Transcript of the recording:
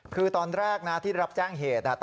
คือตอนแรกที่ได้รับจ้างเหตุ